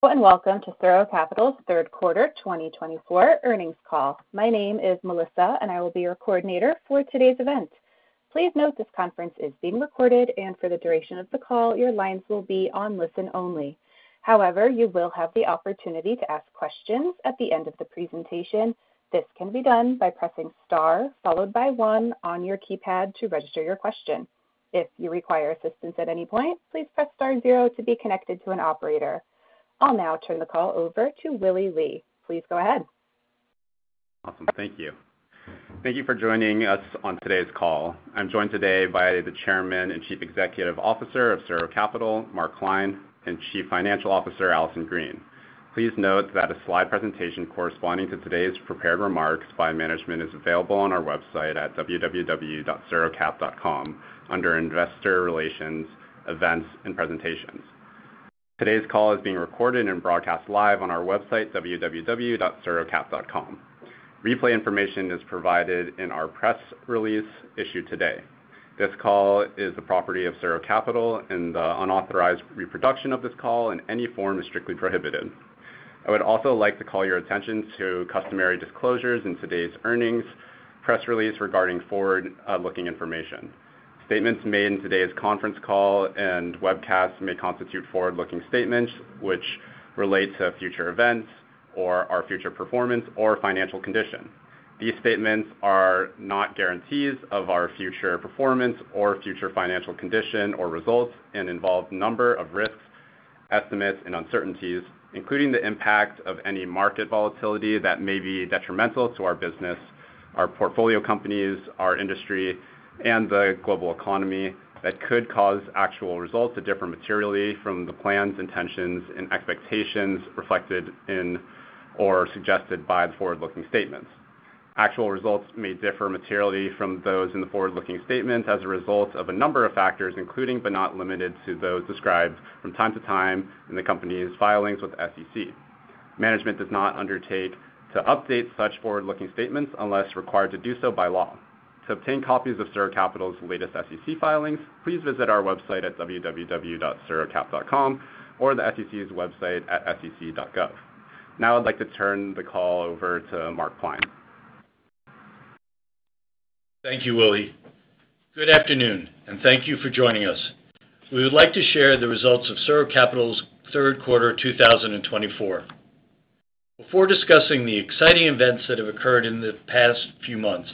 Welcome to SuRo Capital's Third Quarter 2024 Earnings Call. My name is Melissa, and I will be your coordinator for today's event. Please note this conference is being recorded, and for the duration of the call, your lines will be on listen only. However, you will have the opportunity to ask questions at the end of the presentation. This can be done by pressing star followed by one on your keypad to register your question. If you require assistance at any point, please press star zero to be connected to an operator. I'll now turn the call over to Wylie Lei. Please go ahead. Awesome. Thank you. Thank you for joining us on today's call. I'm joined today by the Chairman and Chief Executive Officer of SuRo Capital, Mark Klein, and Chief Financial Officer, Allison Green. Please note that a slide presentation corresponding to today's prepared remarks by management is available on our website at www.surocapital.com under Investor Relations, Events, and Presentations. Today's call is being recorded and broadcast live on our website, www.surocapital.com. Replay information is provided in our press release issued today. This call is the property of SuRo Capital, and the unauthorized reproduction of this call in any form is strictly prohibited. I would also like to call your attention to customary disclosures in today's earnings press release regarding forward-looking information. Statements made in today's conference call and webcast may constitute forward-looking statements which relate to future events or our future performance or financial condition. These statements are not guarantees of our future performance or future financial condition or results and involve a number of risks, estimates, and uncertainties, including the impact of any market volatility that may be detrimental to our business, our portfolio companies, our industry, and the global economy that could cause actual results to differ materially from the plans, intentions, and expectations reflected in or suggested by the forward-looking statements. Actual results may differ materially from those in the forward-looking statements as a result of a number of factors, including but not limited to those described from time to time in the company's filings with the SEC. Management does not undertake to update such forward-looking statements unless required to do so by law. To obtain copies of SuRo Capital's latest SEC filings, please visit our website at www.surocap.com or the SEC's website at sec.gov. Now I'd like to turn the call over to Mark Klein. Thank you, Wylie. Good afternoon, and thank you for joining us. We would like to share the results of SuRo Capital's third quarter 2024. Before discussing the exciting events that have occurred in the past few months,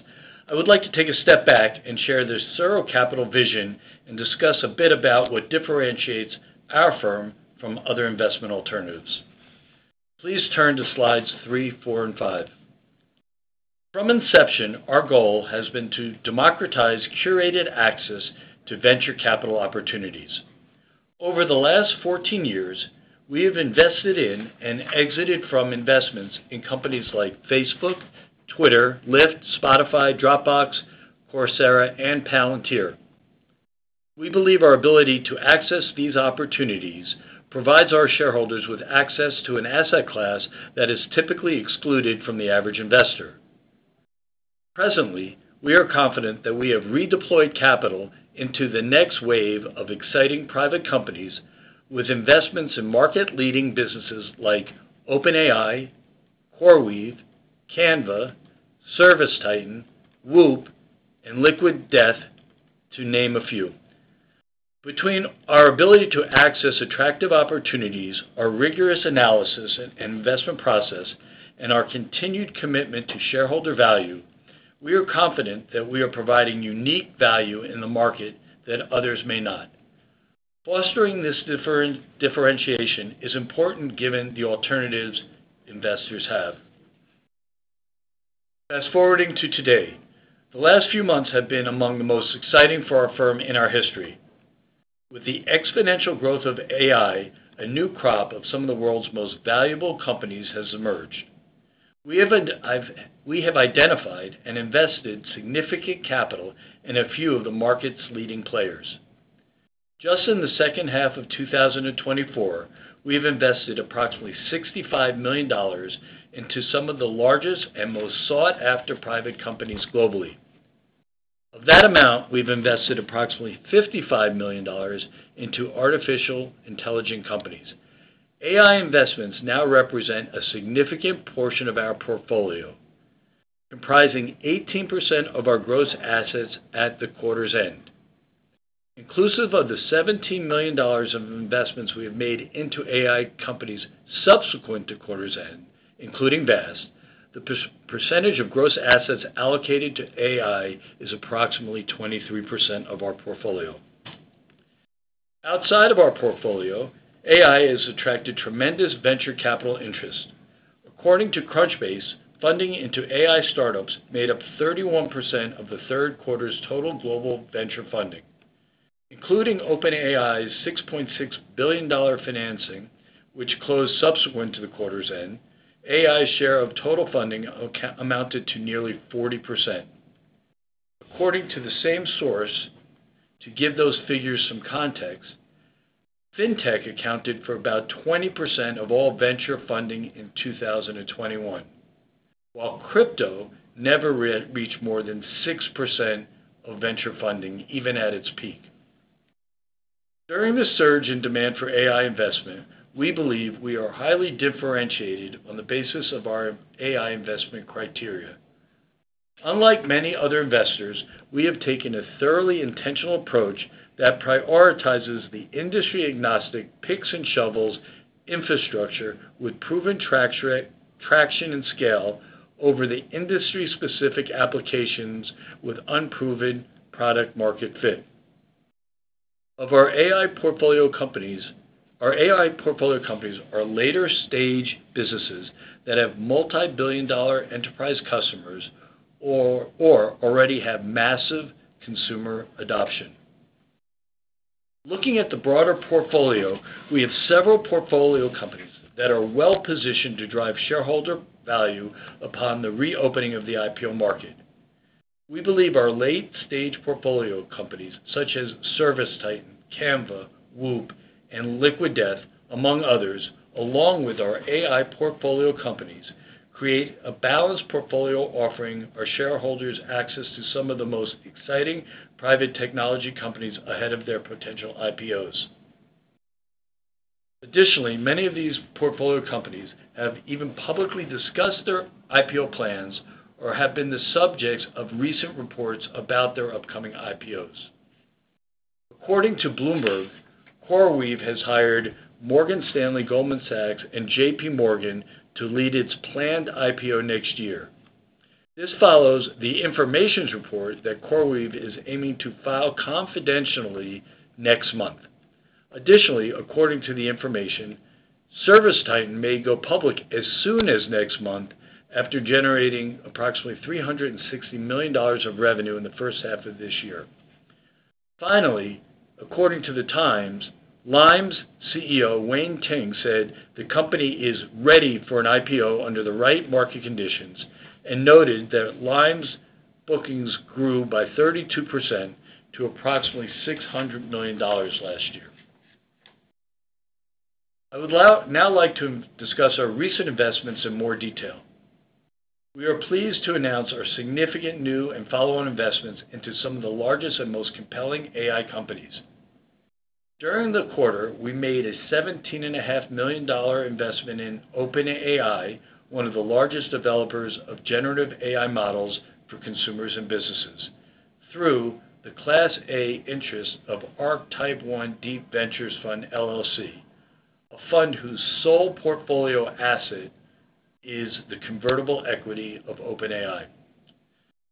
I would like to take a step back and share the SuRo Capital vision and discuss a bit about what differentiates our firm from other investment alternatives. Please turn to slides three, four, and five. From inception, our goal has been to democratize curated access to venture capital opportunities. Over the last 14 years, we have invested in and exited from investments in companies like Facebook, Twitter, Lyft, Spotify, Dropbox, Coursera, and Palantir. We believe our ability to access these opportunities provides our shareholders with access to an asset class that is typically excluded from the average investor. Presently, we are confident that we have redeployed capital into the next wave of exciting private companies with investments in market-leading businesses like OpenAI, CoreWeave, Canva, ServiceTitan, WHOOP, and Liquid Death, to name a few. Between our ability to access attractive opportunities, our rigorous analysis and investment process, and our continued commitment to shareholder value, we are confident that we are providing unique value in the market that others may not. Fostering this differentiation is important given the alternatives investors have. Fast-forwarding to today, the last few months have been among the most exciting for our firm in our history. With the exponential growth of AI, a new crop of some of the world's most valuable companies has emerged. We have identified and invested significant capital in a few of the market's leading players. Just in the second half of 2024, we have invested approximately $65 million into some of the largest and most sought-after private companies globally. Of that amount, we've invested approximately $55 million into artificial intelligence companies. AI investments now represent a significant portion of our portfolio, comprising 18% of our gross assets at the quarter's end. Inclusive of the $17 million of investments we have made into AI companies subsequent to quarter's end, including Vast, the percentage of gross assets allocated to AI is approximately 23% of our portfolio. Outside of our portfolio, AI has attracted tremendous venture capital interest. According to Crunchbase, funding into AI startups made up 31% of the third quarter's total global venture funding. Including OpenAI's $6.6 billion financing, which closed subsequent to the quarter's end, AI's share of total funding amounted to nearly 40%. According to the same source, to give those figures some context, FinTech accounted for about 20% of all venture funding in 2021, while Crypto never reached more than 6% of venture funding, even at its peak. During the surge in demand for AI investment, we believe we are highly differentiated on the basis of our AI investment criteria. Unlike many other investors, we have taken a thoroughly intentional approach that prioritizes the industry-agnostic picks-and-shovels infrastructure with proven traction and scale over the industry-specific applications with unproven product-market fit. Of our AI portfolio companies are later-stage businesses that have multi-billion-dollar enterprise customers or already have massive consumer adoption. Looking at the broader portfolio, we have several portfolio companies that are well-positioned to drive shareholder value upon the reopening of the IPO market. We believe our late-stage portfolio companies, such as ServiceTitan, Canva, WHOOP, and Liquid Death, among others, along with our AI portfolio companies, create a balanced portfolio offering our shareholders access to some of the most exciting private technology companies ahead of their potential IPOs. Additionally, many of these portfolio companies have even publicly discussed their IPO plans or have been the subjects of recent reports about their upcoming IPOs. According to Bloomberg, CoreWeave has hired Morgan Stanley, Goldman Sachs, and JPMorgan to lead its planned IPO next year. This follows The Information report that CoreWeave is aiming to file confidentially next month. Additionally, according to The Information, ServiceTitan may go public as soon as next month after generating approximately $360 million of revenue in the first half of this year. Finally, according to The Times, Lime's CEO, Wayne Ting, said the company is ready for an IPO under the right market conditions and noted that Lime's bookings grew by 32% to approximately $600 million last year. I would now like to discuss our recent investments in more detail. We are pleased to announce our significant new and follow-on investments into some of the largest and most compelling AI companies. During the quarter, we made a $17.5 million investment in OpenAI, one of the largest developers of generative AI models for consumers and businesses, through the Class A interests of Archetype One Deep Ventures Fund, LLC, a fund whose sole portfolio asset is the convertible equity of OpenAI.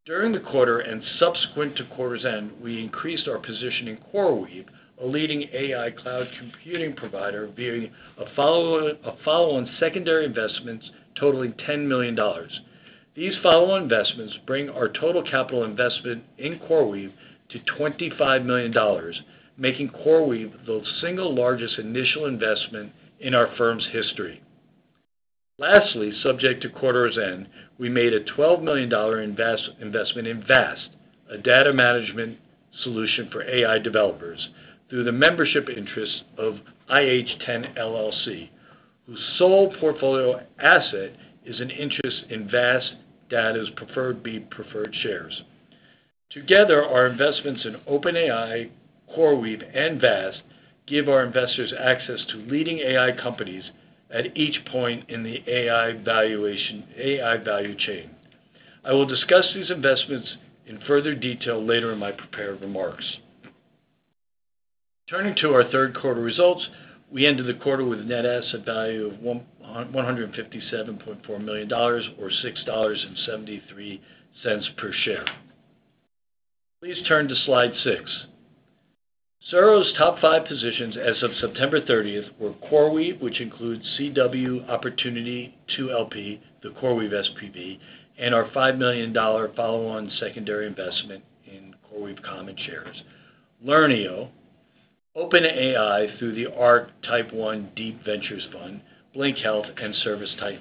During the quarter and subsequent to quarter's end, we increased our position in CoreWeave, a leading AI cloud computing provider, via a follow-on secondary investment totaling $10 million. These follow-on investments bring our total capital investment in CoreWeave to $25 million, making CoreWeave the single largest initial investment in our firm's history. Lastly, subject to quarter's end, we made a $12 million investment in VAST Data, a data management solution for AI developers, through the membership interests of IH10, LLC, whose sole portfolio asset is an interest in VAST Data's preferred shares. Together, our investments in OpenAI, CoreWeave, VAST Data give our investors access to leading AI companies at each point in the AI value chain. I will discuss these investments in further detail later in my prepared remarks. Turning to our third quarter results, we ended the quarter with a net asset value of $157.4 million or $6.73 per share. Please turn to slide six. SuRo's top five positions as of September 30th were CoreWeave, which includes CW Opportunity II, L.P. the CoreWeave SPV, and our $5 million follow-on secondary investment in CoreWeave Common Shares, Learneo, OpenAI through the ARK Type One Deep Ventures Fund, Blink Health, and ServiceTitan.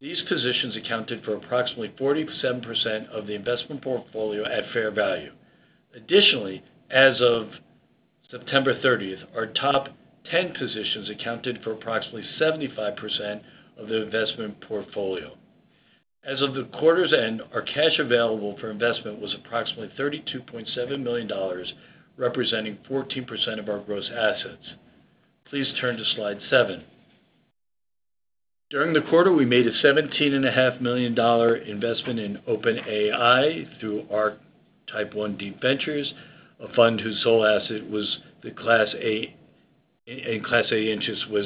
These positions accounted for approximately 47% of the investment portfolio at fair value. Additionally, as of September 30th, our top 10 positions accounted for approximately 75% of the investment portfolio. As of the quarter's end, our cash available for investment was approximately $32.7 million, representing 14% of our gross assets. Please turn to slide seven. During the quarter, we made a $17.5 million investment in OpenAI through ARK Type One Deep Ventures, a fund whose sole asset was the Class A interest in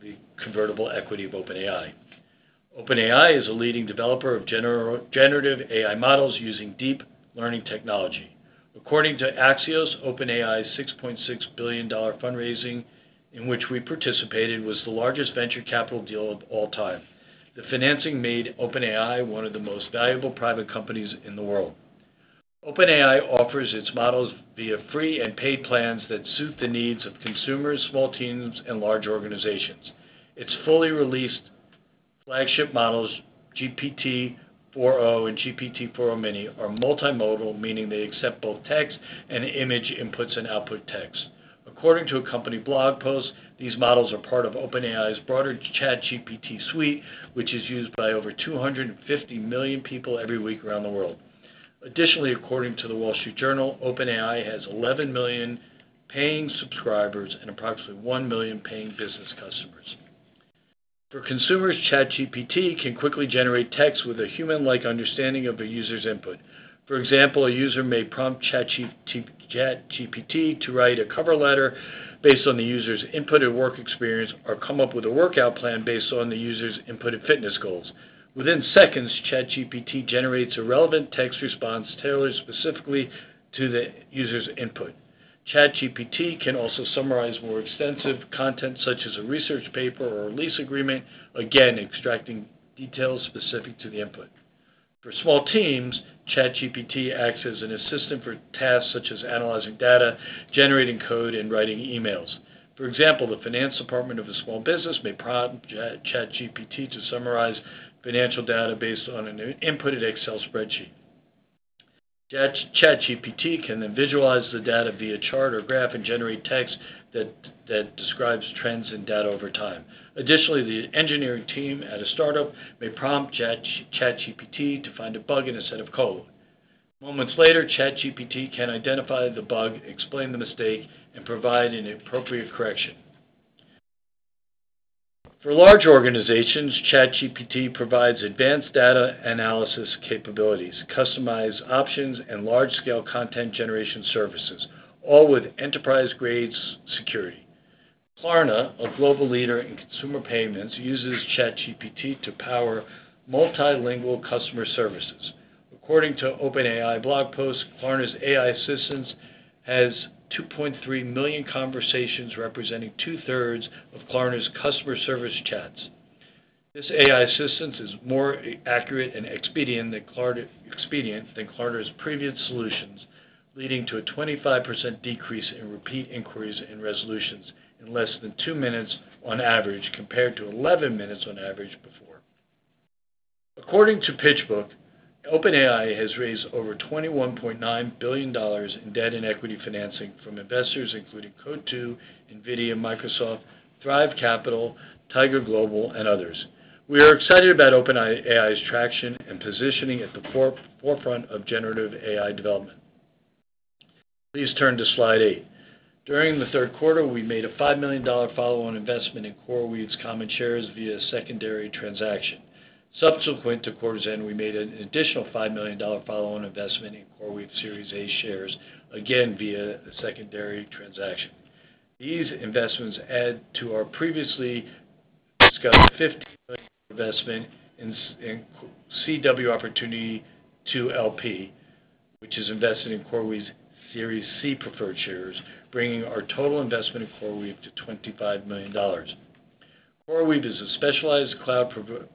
the convertible equity of OpenAI. OpenAI is a leading developer of generative AI models using deep learning technology. According to Axios, OpenAI's $6.6 billion fundraising in which we participated was the largest venture capital deal of all time. The financing made OpenAI one of the most valuable private companies in the world. OpenAI offers its models via free and paid plans that suit the needs of consumers, small teams, and large organizations. Its fully released flagship models, GPT-4o and GPT-4o mini, are multimodal, meaning they accept both text and image inputs and output text. According to a company blog post, these models are part of OpenAI's broader ChatGPT suite, which is used by over 250 million people every week around the world. Additionally, according to The Wall Street Journal, OpenAI has 11 million paying subscribers and approximately one million paying business customers. For consumers, ChatGPT can quickly generate text with a human-like understanding of a user's input. For example, a user may prompt ChatGPT to write a cover letter based on the user's input and work experience or come up with a workout plan based on the user's input and fitness goals. Within seconds, ChatGPT generates a relevant text response tailored specifically to the user's input. ChatGPT can also summarize more extensive content such as a research paper or a lease agreement, again extracting details specific to the input. For small teams, ChatGPT acts as an assistant for tasks such as analyzing data, generating code, and writing emails. For example, the finance department of a small business may prompt ChatGPT to summarize financial data based on an input in Excel spreadsheet. ChatGPT can then visualize the data via chart or graph and generate text that describes trends in data over time. Additionally, the engineering team at a startup may prompt ChatGPT to find a bug in a set of code. Moments later, ChatGPT can identify the bug, explain the mistake, and provide an appropriate correction. For large organizations, ChatGPT provides advanced data analysis capabilities, customized options, and large-scale content generation services, all with enterprise-grade security. Klarna, a global leader in consumer payments, uses ChatGPT to power multilingual customer services. According to OpenAI blog posts, Klarna's AI assistant has 2.3 million conversations, representing two-thirds of Klarna's customer service chats. This AI assistant is more accurate and expedient than Klarna's previous solutions, leading to a 25% decrease in repeat inquiries and resolutions in less than two minutes on average compared to 11 minutes on average before. According to PitchBook, OpenAI has raised over $21.9 billion in debt and equity financing from investors including Coatue, NVIDIA, Microsoft, Thrive Capital, Tiger Global, and others. We are excited about OpenAI's traction and positioning at the forefront of generative AI development. Please turn to slide eight. During the third quarter, we made a $5 million follow-on investment in CoreWeave's common shares via a secondary transaction. Subsequent to quarter's end, we made an additional $5 million follow-on investment in CoreWeave's Series A shares, again via a secondary transaction. These investments add to our previously discussed $15 million investment in CW Opportunity 2 LP, which is invested in CoreWeave's Series C preferred shares, bringing our total investment in CoreWeave to $25 million. CoreWeave is a specialized cloud provider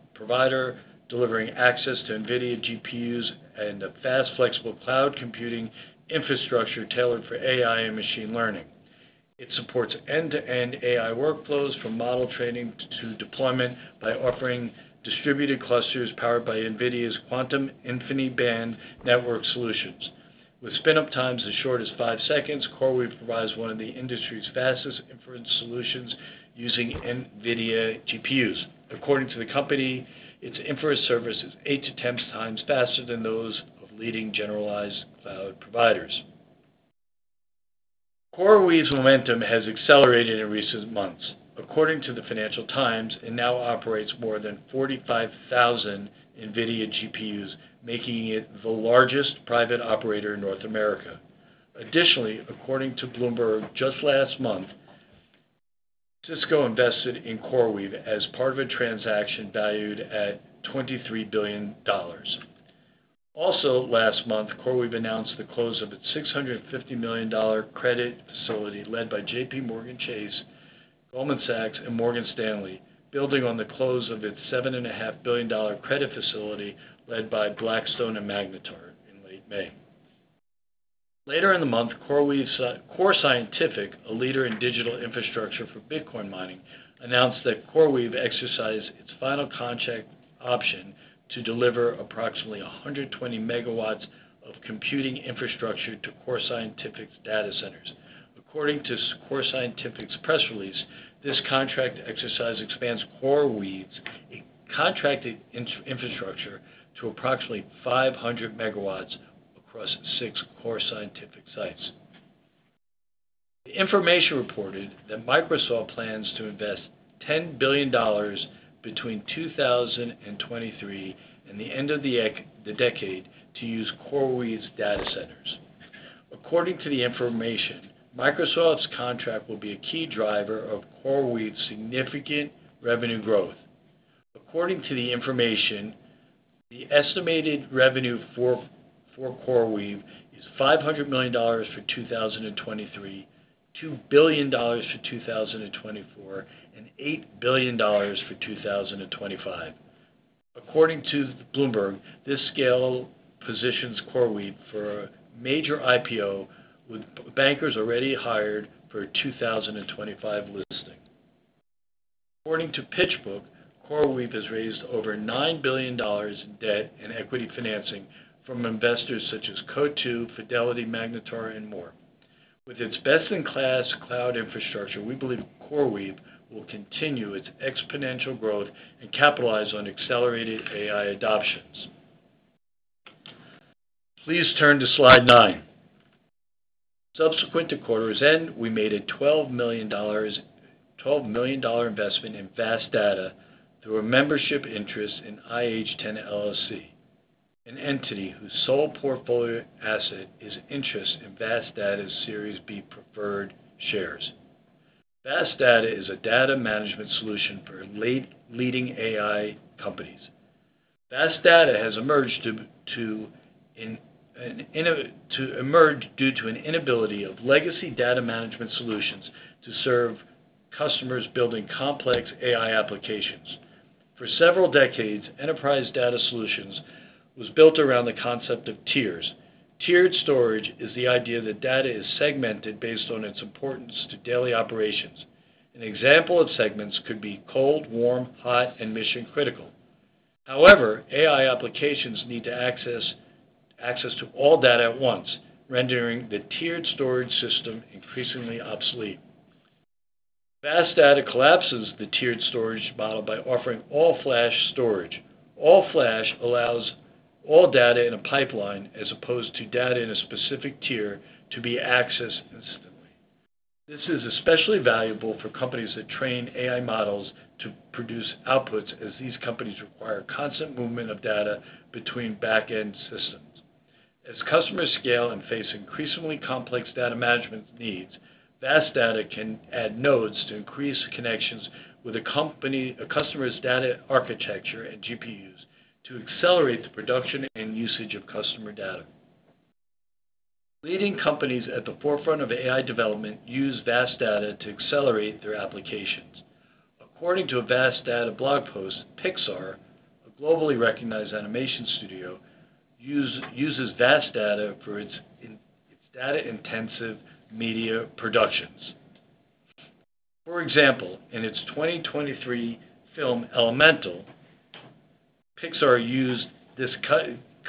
delivering access to NVIDIA GPUs and a fast, flexible cloud computing infrastructure tailored for AI and machine learning. It supports end-to-end AI workflows from model training to deployment by offering distributed clusters powered by NVIDIA's Quantum InfiniBand network solutions. With spin-up times as short as five seconds, CoreWeave provides one of the industry's fastest inference solutions using NVIDIA GPUs. According to the company, its inference service is eight to ten times faster than those of leading generalized cloud providers. CoreWeave's momentum has accelerated in recent months. According to The Financial Times, it now operates more than 45,000 NVIDIA GPUs, making it the largest private operator in North America. Additionally, according to Bloomberg, just last month, Cisco invested in CoreWeave as part of a transaction valued at $23 billion. Also, last month, CoreWeave announced the close of its $650 million credit facility led by JPMorgan Chase, Goldman Sachs, and Morgan Stanley, building on the close of its $7.5 billion credit facility led by Blackstone and Magnetar in late May. Later in the month, Core Scientific, a leader in digital infrastructure for Bitcoin mining, announced that CoreWeave exercised its final contract option to deliver approximately 120 MW of computing infrastructure to Core Scientific's data centers. According to Core Scientific's press release, this contract exercise expands CoreWeave's contracted infrastructure to approximately 500 MW across six Core Scientific sites. The information reported that Microsoft plans to invest $10 billion between 2023 and the end of the decade to use CoreWeave's data centers. According to the information, Microsoft's contract will be a key driver of CoreWeave's significant revenue growth. According to the information, the estimated revenue for CoreWeave is $500 million for 2023, $2 billion for 2024, and $8 billion for 2025. According to Bloomberg, this scale positions CoreWeave for a major IPO with bankers already hired for a 2025 listing. According to PitchBook, CoreWeave has raised over $9 billion in debt and equity financing from investors such as Coatue, Fidelity, Magnetar, and more. With its best-in-class cloud infrastructure, we believe CoreWeave will continue its exponential growth and capitalize on accelerated AI adoptions. Please turn to slide nine. Subsequent to quarter's end, we made a $12 million investment in VAST Data through a membership interest in IH10, LLC, an entity whose sole portfolio asset is interest in VAST Data's Series B preferred shares. VAST Data is a data management solution for leading AI companies. VAST Data has emerged due to an inability of legacy data management solutions to serve customers building complex AI applications. For several decades, enterprise data solutions were built around the concept of tiers. Tiered storage is the idea that data is segmented based on its importance to daily operations. An example of segments could be cold, warm, hot, and mission-critical. However, AI applications need to access to all data at once, rendering the tiered storage system increasingly obsolete. VAST Data collapses the tiered storage model by offering all-flash storage. All-flash allows all data in a pipeline as opposed to data in a specific tier to be accessed instantly. This is especially valuable for companies that train AI models to produce outputs, as these companies require constant movement of data between back-end systems. As customers scale and face increasingly complex data management needs, VAST Data can add nodes to increase connections with a customer's data architecture and GPUs to accelerate the production and usage of customer data. Leading companies at the forefront of AI development use VAST Data to accelerate their applications. According to a VAST Data blog post, Pixar, a globally recognized animation studio, uses VAST Data for its data-intensive media productions. For example, in its 2023 film Elemental, Pixar used this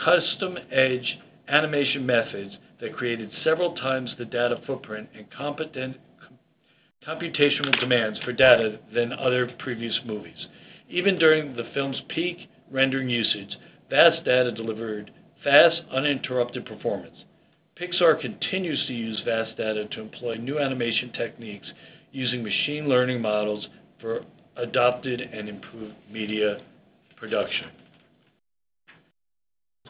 custom-edge animation method that created several times the data footprint and computational demands for data than other previous movies. Even during the film's peak rendering usage, VAST Data delivered fast, uninterrupted performance. Pixar continues to use VAST Data to employ new animation techniques using machine learning models for adopted and improved media production.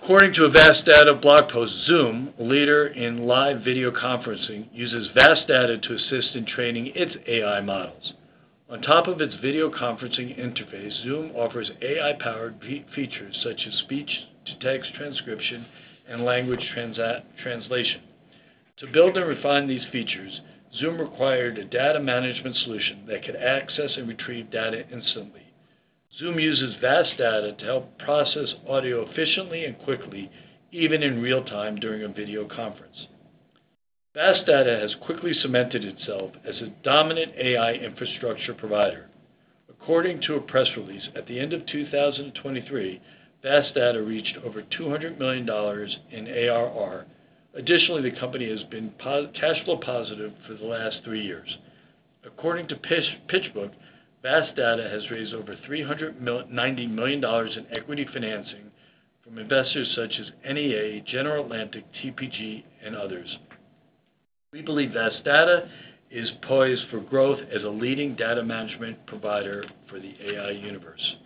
According to a VAST Data blog post, Zoom, a leader in live video conferencing, uses VAST Data to assist in training its AI models. On top of its video conferencing interface, Zoom offers AI-powered features such as speech-to-text transcription and language translation. To build and refine these features, Zoom required a data management solution that could access and retrieve data instantly. Zoom uses VAST Data to help process audio efficiently and quickly, even in real-time during a video conference. VAST Data has quickly cemented itself as a dominant AI infrastructure provider. According to a press release, at the end of 2023, VAST Data reached over $200 million in ARR. Additionally, the company has been cash flow positive for the last three years. According to PitchBook, VAST Data has raised over $390 million in equity financing from investors such as NEA, General Atlantic, TPG, and others. We believe VAST Data is poised for growth as a leading data management provider for the AI universe.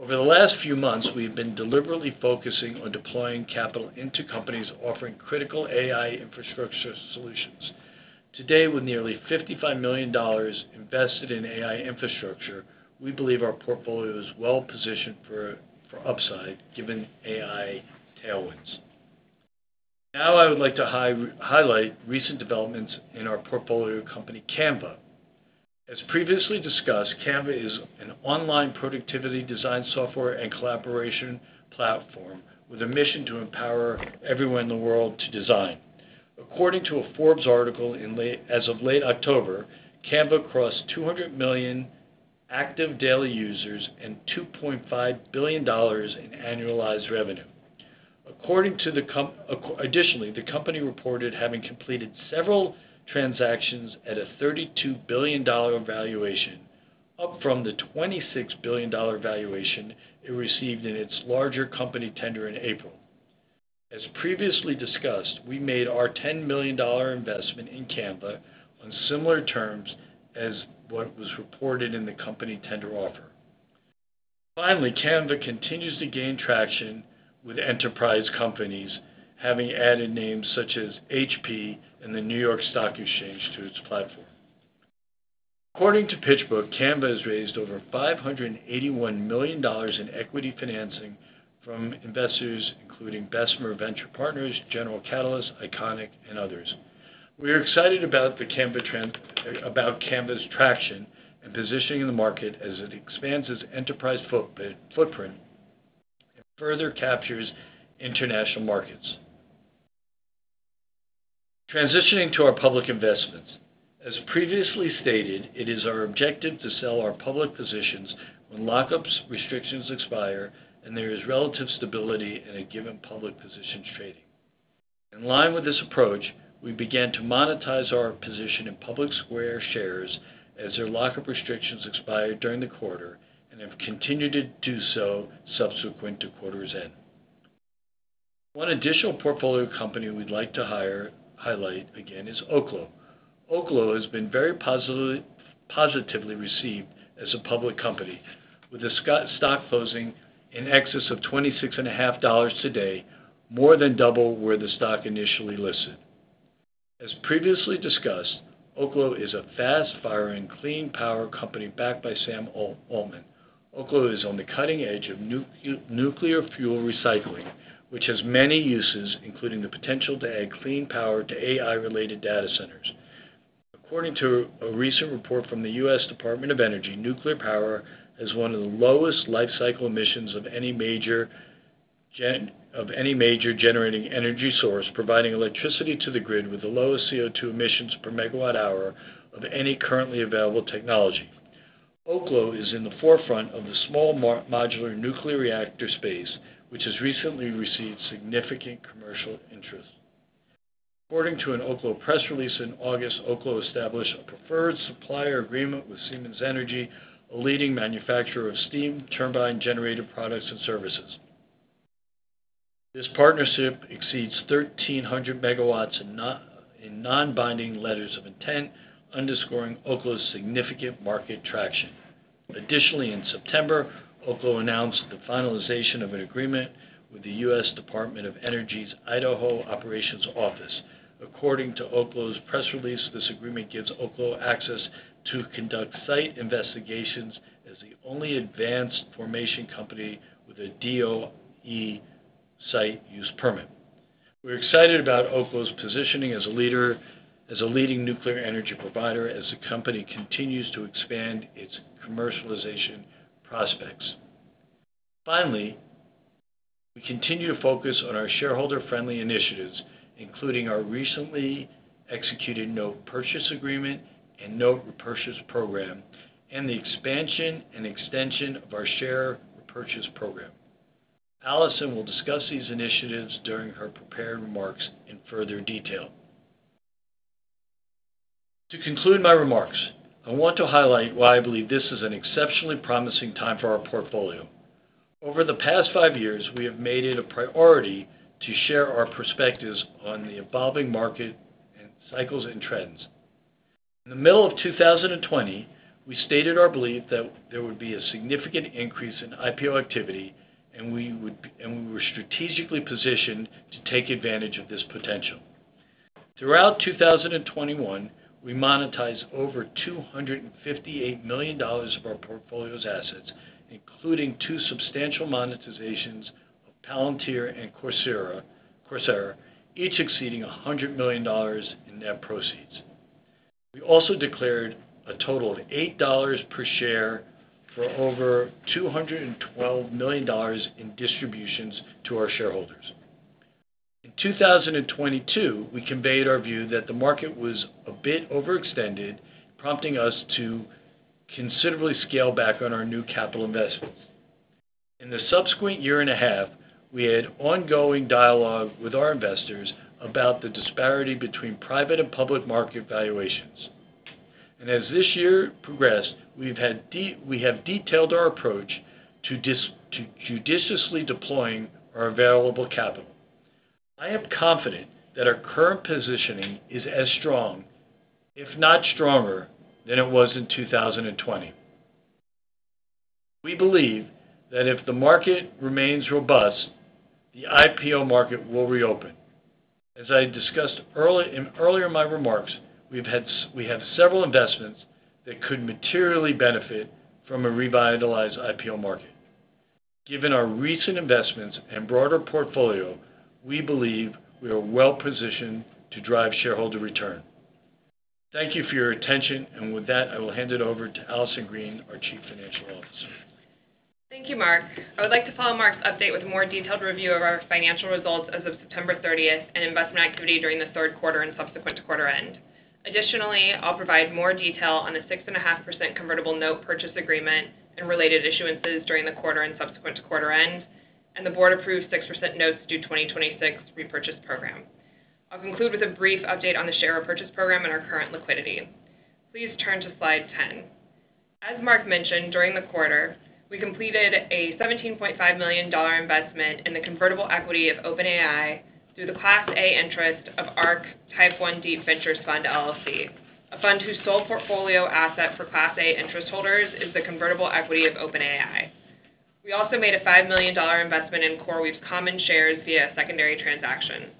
Over the last few months, we have been deliberately focusing on deploying capital into companies offering critical AI infrastructure solutions. Today, with nearly $55 million invested in AI infrastructure, we believe our portfolio is well positioned for upside given AI tailwinds. Now, I would like to highlight recent developments in our portfolio company, Canva. As previously discussed, Canva is an online productivity design software and collaboration platform with a mission to empower everyone in the world to design. According to a Forbes article as of late October, Canva crossed 200 million active daily users and $2.5 billion in annualized revenue. Additionally, the company reported having completed several transactions at a $32 billion valuation, up from the $26 billion valuation it received in its larger company tender in April. As previously discussed, we made our $10 million investment in Canva on similar terms as what was reported in the company tender offer. Finally, Canva continues to gain traction with enterprise companies having added names such as HP and the New York Stock Exchange to its platform. According to PitchBook, Canva has raised over $581 million in equity financing from investors including Bessemer Venture Partners, General Catalyst, ICONIQ Capital, and others. We are excited about Canva's traction and positioning in the market as it expands its enterprise footprint and further captures international markets. Transitioning to our public investments. As previously stated, it is our objective to sell our public positions when lockup restrictions expire and there is relative stability in a given public position's trading. In line with this approach, we began to monetize our position in PublicSquare shares as their lockup restrictions expired during the quarter and have continued to do so subsequent to quarter's end. One additional portfolio company we'd like to highlight again is Oklo. Oklo has been very positively received as a public company, with the stock closing in excess of $26.5 today, more than double where the stock initially listed. As previously discussed, Oklo is a fast-firing, clean power company backed by Sam Altman. Oklo is on the cutting edge of nuclear fuel recycling, which has many uses, including the potential to add clean power to AI-related data centers. According to a recent report from the U.S. Department of Energy, nuclear power has one of the lowest life cycle emissions of any major generating energy source, providing electricity to the grid with the lowest CO2 emissions per megawatt hour of any currently available technology. Oklo is in the forefront of the small modular nuclear reactor space, which has recently received significant commercial interest. According to an Oklo press release in August, Oklo established a preferred supplier agreement with Siemens Energy, a leading manufacturer of steam turbine-generated products and services. This partnership exceeds 1,300 MW in non-binding letters of intent, underscoring Oklo's significant market traction. Additionally, in September, Oklo announced the finalization of an agreement with the U.S. Department of Energy's Idaho Operations Office. According to Oklo's press release, this agreement gives Oklo access to conduct site investigations as the only advanced fission company with a DOE site use permit. We're excited about Oklo's positioning as a leading nuclear energy provider as the company continues to expand its commercialization prospects. Finally, we continue to focus on our shareholder-friendly initiatives, including our recently executed note purchase agreement and note repurchase program, and the expansion and extension of our share repurchase program. Allison will discuss these initiatives during her prepared remarks in further detail. To conclude my remarks, I want to highlight why I believe this is an exceptionally promising time for our portfolio. Over the past five years, we have made it a priority to share our perspectives on the evolving market and cycles and trends. In the middle of 2020, we stated our belief that there would be a significant increase in IPO activity, and we were strategically positioned to take advantage of this potential. Throughout 2021, we monetized over $258 million of our portfolio's assets, including two substantial monetizations of Palantir and Coursera, each exceeding $100 million in net proceeds. We also declared a total of $8 per share for over $212 million in distributions to our shareholders. In 2022, we conveyed our view that the market was a bit overextended, prompting us to considerably scale back on our new capital investments. In the subsequent year and a half, we had ongoing dialogue with our investors about the disparity between private and public market valuations, and as this year progressed, we have detailed our approach to judiciously deploying our available capital. I am confident that our current positioning is as strong, if not stronger, than it was in 2020. We believe that if the market remains robust, the IPO market will reopen. As I discussed earlier in my remarks, we have several investments that could materially benefit from a revitalized IPO market. Given our recent investments and broader portfolio, we believe we are well positioned to drive shareholder return. Thank you for your attention, and with that, I will hand it over to Allison Green, our Chief Financial Officer. Thank you, Mark. I would like to follow Mark's update with a more detailed review of our financial results as of September 30th and investment activity during the third quarter and subsequent to quarter end. Additionally, I'll provide more detail on the 6.5% convertible note purchase agreement and related issuances during the quarter and subsequent to quarter end, and the board-approved 6% notes due 2026 repurchase program. I'll conclude with a brief update on the share repurchase program and our current liquidity. Please turn to slide 10. As Mark mentioned, during the quarter, we completed a $17.5 million investment in the convertible equity of OpenAI through the Class A Interest of ARK Type One Deep Ventures Fund, LLC. A fund whose sole portfolio asset for Class A Interest holders is the convertible equity of OpenAI. We also made a $5 million investment in CoreWeave's common shares via a secondary transaction.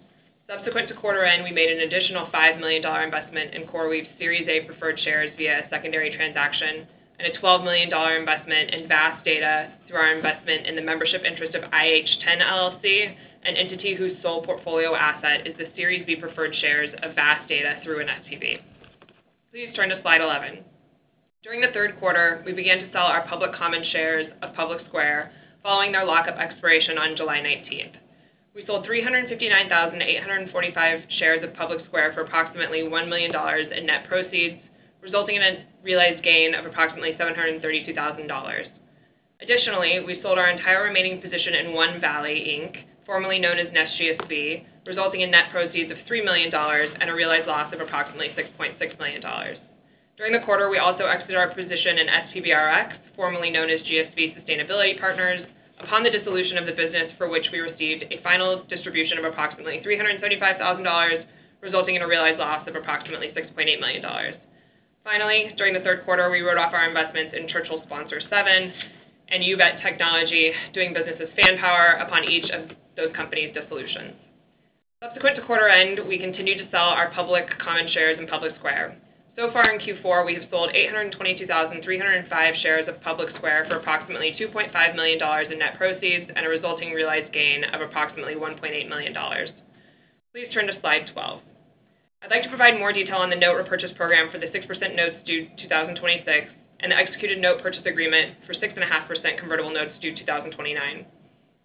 Subsequent to quarter end, we made an additional $5 million investment in CoreWeave's Series A preferred shares via a secondary transaction, and a $12 million investment in VAST Data through our investment in the membership interest of IH10, LLC, an entity whose sole portfolio asset is the Series B preferred shares of VAST Data through an SPV. Please turn to slide 11. During the third quarter, we began to sell our public common shares of PublicSquare following their lockup expiration on July 19th. We sold 359,845 shares of PublicSquare for approximately $1 million in net proceeds, resulting in a realized gain of approximately $732,000. Additionally, we sold our entire remaining position in One Valley, Inc., formerly known as NestGSV, resulting in net proceeds of $3 million and a realized loss of approximately $6.6 million. During the quarter, we also exited our position in STVRX, formerly known as GSV Sustainability Partners, upon the dissolution of the business for which we received a final distribution of approximately $375,000, resulting in a realized loss of approximately $6.8 million. Finally, during the third quarter, we wrote off our investments in Churchill Sponsor VII and YouBet Technology, doing business as FanPower upon each of those companies' dissolutions. Subsequent to quarter end, we continued to sell our public common shares in PublicSquare. So far in Q4, we have sold 822,305 shares of PublicSquare for approximately $2.5 million in net proceeds and a resulting realized gain of approximately $1.8 million. Please turn to slide 12. I'd like to provide more detail on the note repurchase program for the 6% notes due 2026 and the executed note purchase agreement for 6.5% convertible notes due 2029.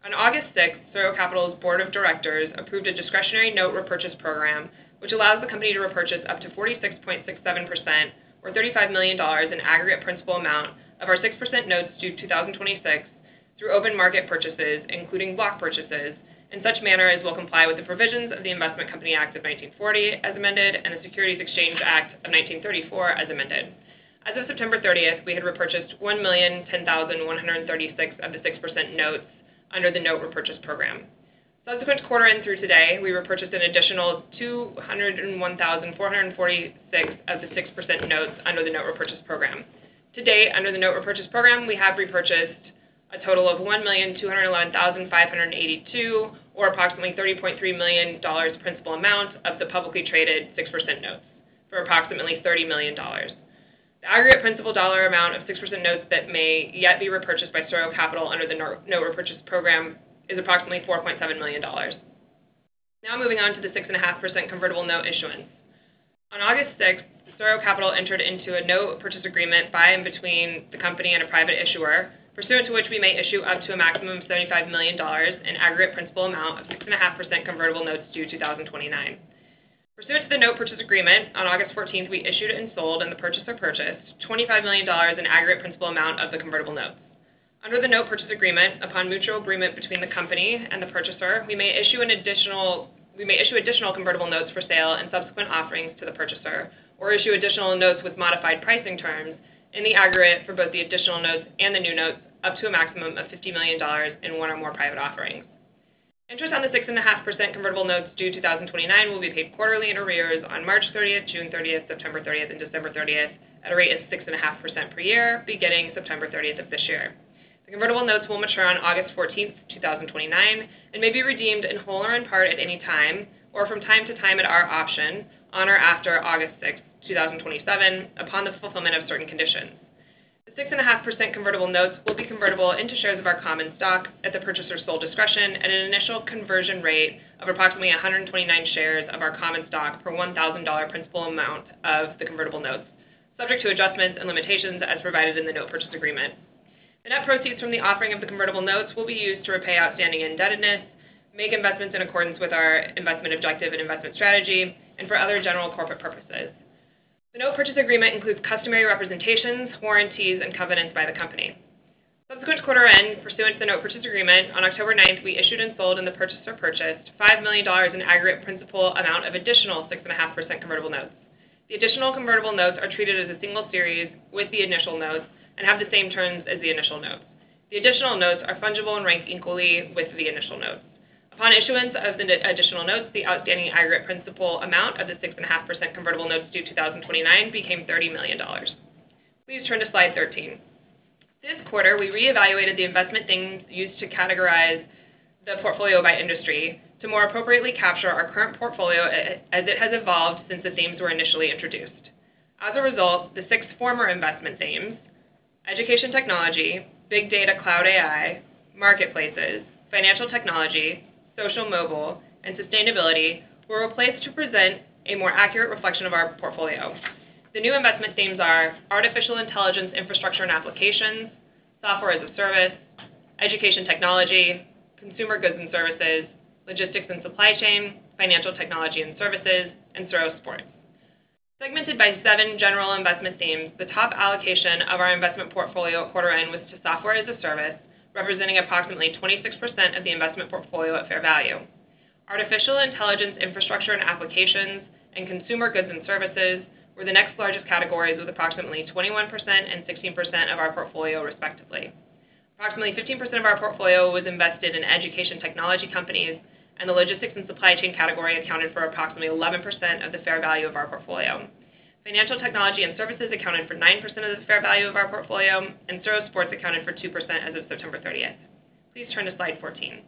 On August 6th, SuRo Capital's Board of Directors approved a discretionary note repurchase program, which allows the company to repurchase up to 46.67% or $35 million in aggregate principal amount of our 6% notes due 2026 through open market purchases, including block purchases, in such manner as will comply with the provisions of the Investment Company Act of 1940, as amended, and the Securities Exchange Act of 1934, as amended. As of September 30th, we had repurchased 1,010,136 of the 6% notes under the note repurchase program. Subsequent to quarter end through today, we repurchased an additional 201,446 of the 6% notes under the note repurchase program. Today, under the note repurchase program, we have repurchased a total of 1,211,582 or approximately $30.3 million principal amount of the publicly traded 6% notes for approximately $30 million. The aggregate principal dollar amount of 6% notes that may yet be repurchased by SuRo Capital under the note repurchase program is approximately $4.7 million. Now moving on to the 6.5% convertible note issuance. On August 6th, SuRo Capital entered into a note purchase agreement by and between the company and a private issuer, pursuant to which we may issue up to a maximum of $75 million in aggregate principal amount of 6.5% convertible notes due 2029. Pursuant to the note purchase agreement, on August 14th, we issued and sold and the purchaser purchased $25 million in aggregate principal amount of the convertible notes. Under the note purchase agreement, upon mutual agreement between the company and the purchaser, we may issue additional convertible notes for sale and subsequent offerings to the purchaser, or issue additional notes with modified pricing terms in the aggregate for both the additional notes and the new notes up to a maximum of $50 million in one or more private offerings. Interest on the 6.5% convertible notes due 2029 will be paid quarterly in arrears on March 30th, June 30th, September 30th, and December 30th at a rate of 6.5% per year, beginning September 30th of this year. The convertible notes will mature on August 14th, 2029, and may be redeemed in whole or in part at any time, or from time to time at our option, on or after August 6th, 2027, upon the fulfillment of certain conditions. The 6.5% convertible notes will be convertible into shares of our common stock at the purchaser's sole discretion at an initial conversion rate of approximately 129 shares of our common stock per $1,000 principal amount of the convertible notes, subject to adjustments and limitations as provided in the note purchase agreement. The net proceeds from the offering of the convertible notes will be used to repay outstanding indebtedness, make investments in accordance with our investment objective and investment strategy, and for other general corporate purposes. The note purchase agreement includes customary representations, warranties, and covenants by the company. Subsequent to quarter end, pursuant to the note purchase agreement, on October 9th, we issued and sold and the purchaser purchased $5 million in aggregate principal amount of additional 6.5% convertible notes. The additional convertible notes are treated as a single series with the initial notes and have the same terms as the initial notes. The additional notes are fungible and rank equally with the initial notes. Upon issuance of the additional notes, the outstanding aggregate principal amount of the 6.5% convertible notes due 2029 became $30 million. Please turn to slide 13. This quarter, we reevaluated the investment themes used to categorize the portfolio by industry to more appropriately capture our current portfolio as it has evolved since the themes were initially introduced. As a result, the six former investment themes, education technology, big data cloud AI, marketplaces, financial technology, social mobile, and sustainability were replaced to present a more accurate reflection of our portfolio. The new investment themes are artificial intelligence infrastructure and applications, software as a service, education technology, consumer goods and services, logistics and supply chain, financial technology and services, and thorough sports. Segmented by seven general investment themes, the top allocation of our investment portfolio at quarter end was to software as a service, representing approximately 26% of the investment portfolio at fair value. Artificial intelligence infrastructure and applications and consumer goods and services were the next largest categories with approximately 21% and 16% of our portfolio, respectively. Approximately 15% of our portfolio was invested in education technology companies, and the logistics and supply chain category accounted for approximately 11% of the fair value of our portfolio. Financial technology and services accounted for 9% of the fair value of our portfolio, and thorough sports accounted for 2% as of September 30th. Please turn to slide 14.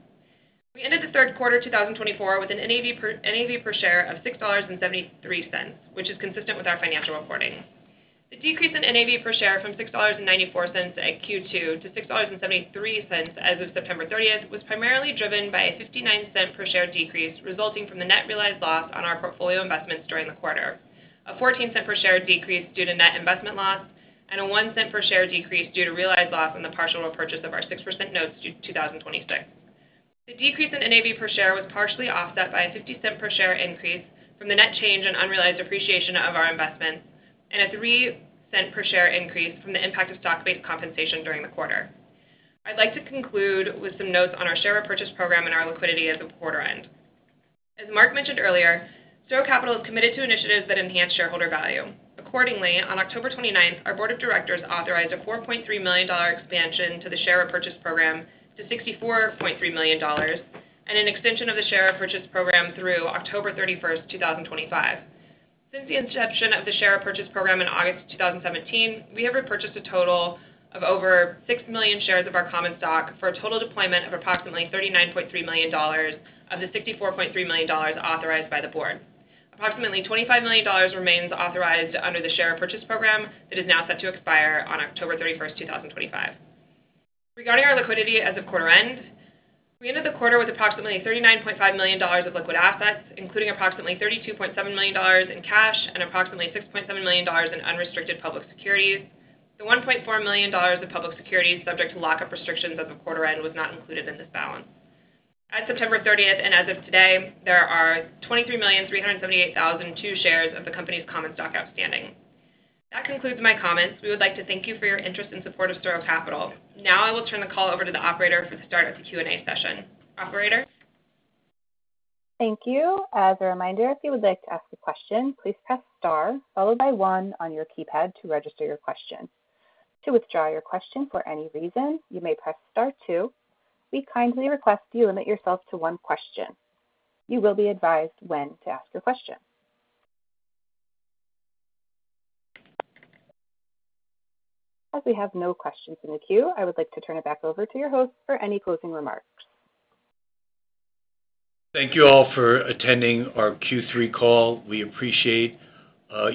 We ended the third quarter 2024 with an NAV per share of $6.73, which is consistent with our financial reporting. The decrease in NAV per share from $6.94 at Q2 to $6.73 as of September 30th was primarily driven by a $0.59 per share decrease resulting from the net realized loss on our portfolio investments during the quarter, a $0.14 per share decrease due to net investment loss, and a $0.01 per share decrease due to realized loss on the partial repurchase of our 6% notes due 2026. The decrease in NAV per share was partially offset by a $0.50 per share increase from the net change and unrealized appreciation of our investments, and a $0.03 per share increase from the impact of stock-based compensation during the quarter. I'd like to conclude with some notes on our share repurchase program and our liquidity as of quarter end. As Mark mentioned earlier, SuRo Capital is committed to initiatives that enhance shareholder value. Accordingly, on October 29th, our Board of Directors authorized a $4.3 million expansion to the share repurchase program to $64.3 million and an extension of the share repurchase program through October 31st, 2025. Since the inception of the share repurchase program in August 2017, we have repurchased a total of over six million shares of our common stock for a total deployment of approximately $39.3 million of the $64.3 million authorized by the board. Approximately $25 million remains authorized under the share repurchase program that is now set to expire on October 31st, 2025. Regarding our liquidity as of quarter end, we ended the quarter with approximately $39.5 million of liquid assets, including approximately $32.7 million in cash and approximately $6.7 million in unrestricted public securities. The $1.4 million of public securities, subject to lockup restrictions as of quarter end, was not included in this balance. At September 30th and as of today, there are 23,378,002 shares of the company's common stock outstanding. That concludes my comments. We would like to thank you for your interest and support of SuRo Capital. Now I will turn the call over to the operator for the start of the Q&A session. Operator. Thank you. As a reminder, if you would like to ask a question, please press star followed by one on your keypad to register your question. To withdraw your question for any reason, you may press star two. We kindly request that you limit yourself to one question. You will be advised when to ask your question. As we have no questions in the queue, I would like to turn it back over to your host for any closing remarks. Thank you all for attending our Q3 call. We appreciate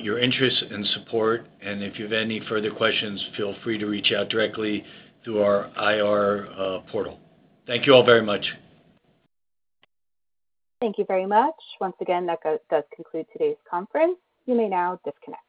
your interest and support, and if you have any further questions, feel free to reach out directly through our IR portal. Thank you all very much. Thank you very much. Once again, that does conclude today's conference. You may now disconnect.